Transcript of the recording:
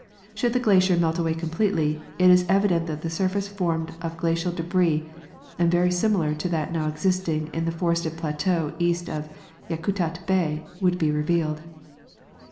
Should the glacier melt away completely, it is evident that a surface formed of glacial debris, and very similar to that now existing in the forested plateau east of Yakutat bay, would be revealed.